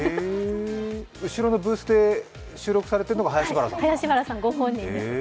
後ろのブースで収録されているのが林原さんなんですね。